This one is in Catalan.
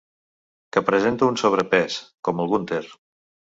Que presenta un sobrepès, com el Günter.